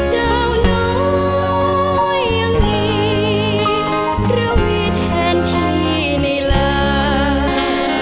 เดาหน่วยังมีรวมวิทย์แทนไทยในล่าง